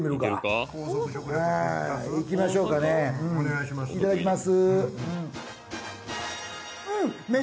いただきます。